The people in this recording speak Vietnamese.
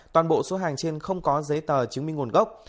toàn bộ số hàng trên không có giấy tờ chứng minh nguồn gốc